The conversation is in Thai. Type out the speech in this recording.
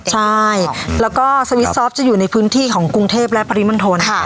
ใช่แล้วก็สวิตซอฟต์จะอยู่ในพื้นที่ของกรุงเทพและปริมณฑล